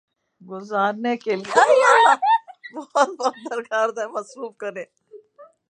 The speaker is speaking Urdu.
گزرنے کیلیے بہت وقت درکار ہوتا ہے۔ مصروف ترین